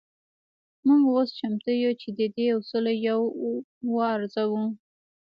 موږ اوس چمتو يو چې د دې اصولو يو وارزوو.